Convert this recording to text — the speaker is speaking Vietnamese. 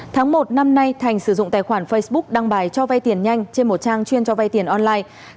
tháng một năm nay thành sử dụng tài khoản facebook đăng bài cho vay tiền nhanh trên một trang chuyên cho vay tiền online